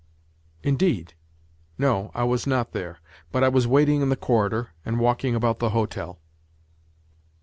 "Indeed? No, I was not there; but I was waiting in the corridor, and walking about the hotel."